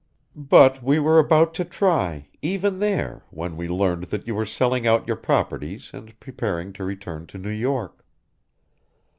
But we were about to try, even there, when we learned that you were selling out your properties and preparing to return to New York.